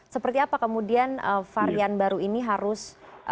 seperti apa kemudian varian baru ini harus